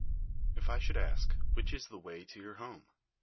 If I should ask, "Which is the way to your home?"